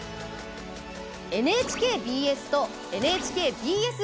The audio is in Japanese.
ＮＨＫＢＳとＮＨＫＢＳ